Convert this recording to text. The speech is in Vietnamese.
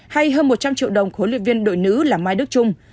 hay hơn một trăm linh triệu đồng huấn luyện viên đội nữ là mai đức trung